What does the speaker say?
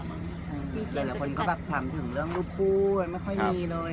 แต่เหลือคนก็ถามถึงเรื่องรูปคู่ไม่ค่อยมีเลย